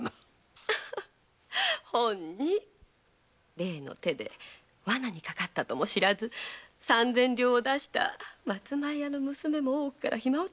例の手でワナにかかったとも知らず三千両を出した松前屋の娘も大奥から暇をとった。